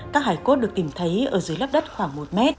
các hải quốc được tìm thấy ở dưới lớp đất khoảng một m